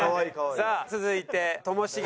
さあ続いてともしげ。